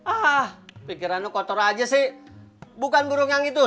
ah pikirannya kotor aja sih bukan burung yang itu